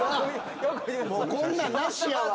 もうこんなんなしやわ。